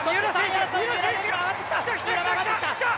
三浦選手が上がってきて、来た来た！